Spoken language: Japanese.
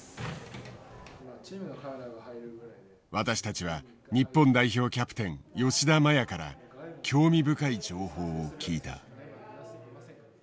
私たちは日本代表キャプテン吉田麻也から興味深い情報を聞いた。